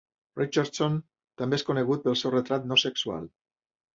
Richardson també és conegut pel seu retrat no sexual.